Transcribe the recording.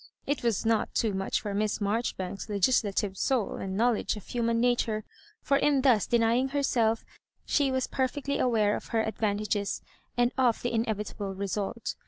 It was not too much for Miss Marjoribanks's legislative soul and knowledge of human nature — ^for in thus denjring herself she was perfectly aware of her advantages, and of the inevitable result.